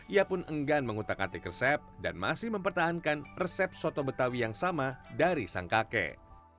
ia pun enggan mengutak atik resep dan masih mempertahankan resep soto betawi yang sama dari sang kakek